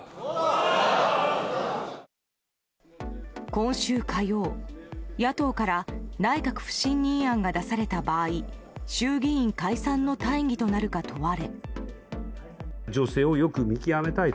今週火曜、野党から内閣不信任案が出された場合衆議院解散の大義となるか問われ。